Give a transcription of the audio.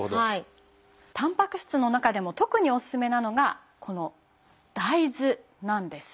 たんぱく質の中でも特におすすめなのがこの大豆なんです。